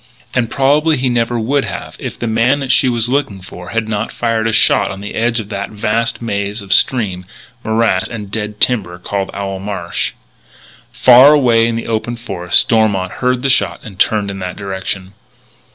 And probably he never would have if the man that she was looking for had not fired a shot on the edge of that vast maze of stream, morass and dead timber called Owl Marsh. Far away in the open forest Stormont heard the shot and turned in that direction.